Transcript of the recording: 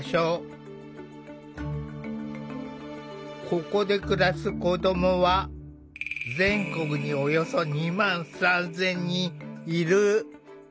ここで暮らす子どもは全国におよそ２万３，０００人いる。